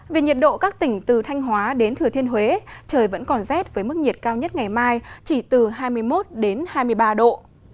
về nhiệt độ các tỉnh từ thanh hóa đến thừa thiên huế trời vẫn còn rét với mức nhiệt cao nhất ngày mai chỉ từ hai mươi một đến hai mươi ba độ